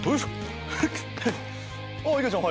おっいげちゃん